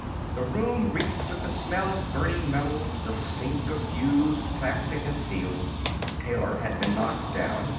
The room reeked with the smell of burning metal, the stink of fused plastic and steel. Taylor had been knocked down.